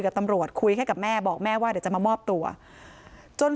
กับตำรวจคุยให้กับแม่บอกแม่ว่าเดี๋ยวจะมามอบตัวจน